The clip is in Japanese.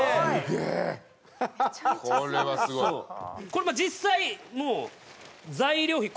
これ実際もう材料費